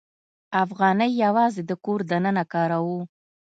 افغانۍ یوازې د کور دننه کاروو.